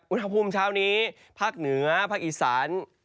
อุณหภูมิเช้านี้ภาคเหนือภาคอีสาน